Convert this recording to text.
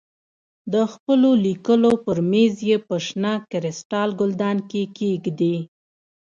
د خپلو لیکلو پر مېز یې په شنه کریسټال ګلدان کې کېږدې.